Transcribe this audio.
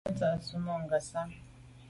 Me tsha’t’o me Ngasam.